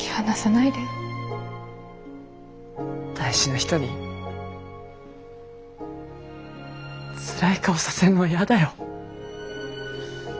大事な人につらい顔させんのはやだよ。